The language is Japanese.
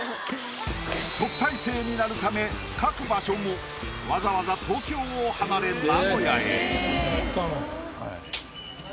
特待生になるため描く場所もわざわざ東京を離れ名古屋へ。